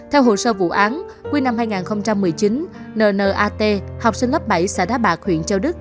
theo hồ sơ vụ án cuối năm hai nghìn một mươi chín nnat học sinh lớp bảy xã đá bạc huyện châu đức